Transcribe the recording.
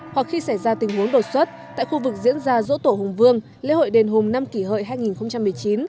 hoặc khi xảy ra tình huống đột xuất tại khu vực diễn ra dỗ tổ hùng vương lễ hội đền hùng năm kỷ hợi hai nghìn một mươi chín